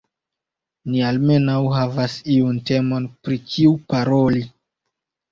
Ni almenaŭ havas iun temon, pri kiu paroli.